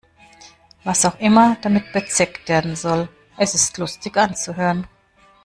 Was auch immer damit bezweckt werden soll, es ist lustig anzuhören.